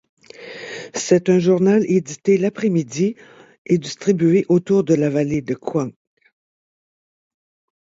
C'est un journal édité l'après-midi en distribués autour de la vallée de Klang.